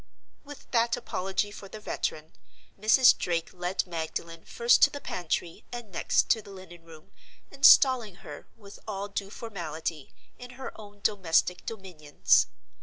With that apology for the veteran, Mrs. Drake led Magdalen first to the pantry, and next to the linen room, installing her, with all due formality, in her own domestic dominions.